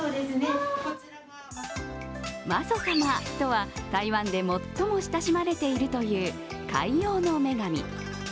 媽祖様とは、台湾で最も親しまれているという海洋の女神。